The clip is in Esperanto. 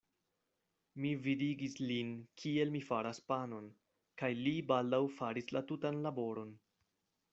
Mi vidigis lin, kiel mi faras panon, kaj li baldaŭ faris la tutan laboron.